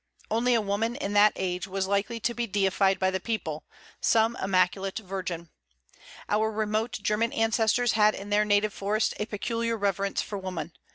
Only a woman, in that age, was likely to be deified by the people, some immaculate virgin. Our remote German ancestors had in their native forests a peculiar reverence for woman.